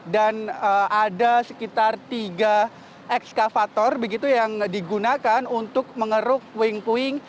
dan ada sekitar tiga ekskavator begitu yang digunakan untuk mengeruk puing puing